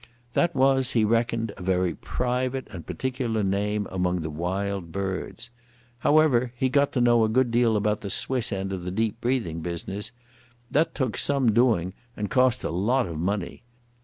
That was, he reckoned, a very private and particular name among the Wild Birds. However, he got to know a good deal about the Swiss end of the "Deep breathing' business. That took some doing and cost a lot of money.